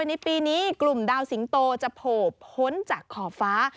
ในปีนี้กลุ่มดาวสิงโตจะโผล่พ้นจากขอบฟ้า